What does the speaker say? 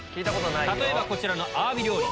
例えばこちらのアワビ料理。